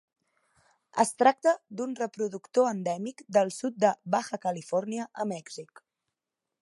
Es tracta d'un reproductor endèmic del sud de Baja California, a Mèxic.